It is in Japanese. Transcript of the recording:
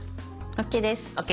ＯＫです。